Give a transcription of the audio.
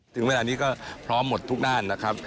ถึงเวลานี้ก็พร้อมหมดทุกด้านนะครับ